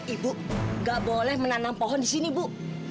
ibu gak boleh menanam pohon disini bu